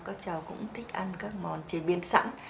các cháu cũng thích ăn các món chế biến sẵn